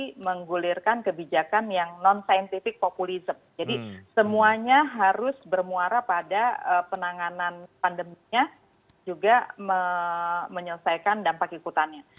kita menggulirkan kebijakan yang non scientific populism jadi semuanya harus bermuara pada penanganan pandeminya juga menyelesaikan dampak ikutannya